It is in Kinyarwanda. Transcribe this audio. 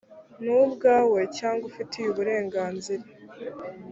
ni ubwawe cyangwa ufitiye uburenganzira